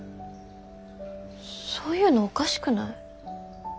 そういうのおかしくない？